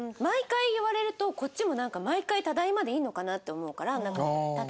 毎回言われるとこっちもなんか毎回「ただいま」でいいのかな？って思うから。